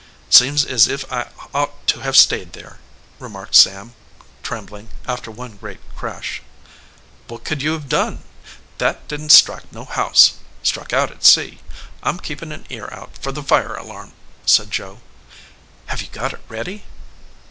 "Seems as if I had ought to have stayed there," remarked Sam, trembling, after one great crash. "What could you have done ? That didn t strike no house. Struck out at sea. I m keepin an ear out for the fire alarm," said Joe. "Have you got it ready?"